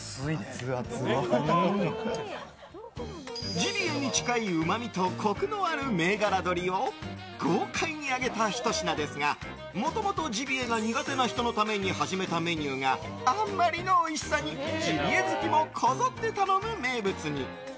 ジビエに近いうまみとコクのある銘柄鶏を豪快に揚げたひと品ですがもともとジビエが苦手な人のために始めたメニューがあまりのおいしさにジビエ好きもこぞって頼む名物に。